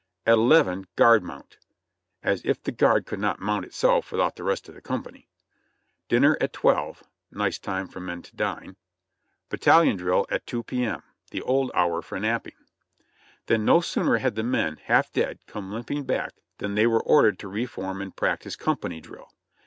At eleven, guard mount ! ("As if the guard could not mount itself without the rest of the company.") Dinner at twelve. ("Nice time for men to dine!") Battalion drill at two P. M. ("The old hour for napping.") Then no sooner had the men, half dead, come limping back than they were ordered to re form and practice "Company drill."